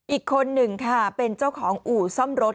อีกคนหนึ่งค่ะเป็นเจ้าของอู่ซ่อมรถ